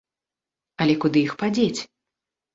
Але куды іх падзець?